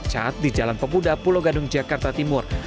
cat di jalan pemuda pulau gandung jakarta timur